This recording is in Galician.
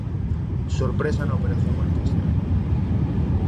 Sorpresa na Operación Orquestra.